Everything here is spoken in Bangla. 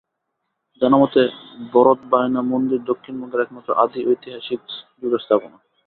জানামতে, ভরত ভায়না মন্দির দক্ষিণ বঙ্গের একমাত্র আদি ঐতিহাসিক যুগের স্থাপনা।